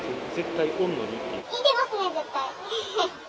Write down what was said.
いてますね、絶対。